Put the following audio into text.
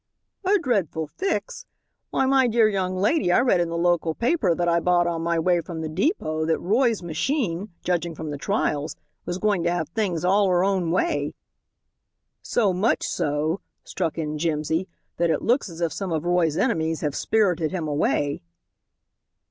"A dreadful fix? Why, my dear young lady, I read in the local paper that I bought on my way from the depot that Roy's machine, judging from the trials, was going to have things all her own way." "So much so," struck in Jimsy, "that it looks as if some of Roy's enemies have spirited him away."